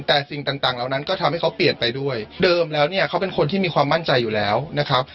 แต่สิ่งต่างเหล่านั้นก็ทำให้เขาเปลี่ยนไปด้วยเดิมแล้วเนี่ยเขาเป็นคนที่มีความมั่นใจอยู่แล้วนะครับ